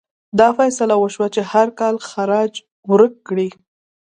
دا فیصله وشوه چې هر کال خراج ورکړي.